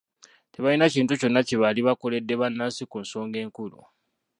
Tebalina kintu kyonna kye baali bakoledde bannansi ku nsonga enkulu.